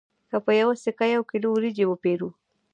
که په یوه سکه یو کیلو وریجې وپېرو